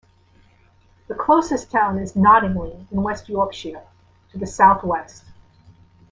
The closest town is Knottingley, in West Yorkshire, to the south-west.